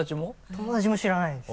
友達も知らないです。